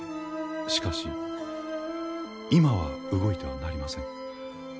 しかし今は動いてはなりません。